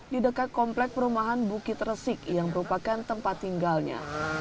di dekat komplek perumahan bukit resik yang merupakan tempat tinggalnya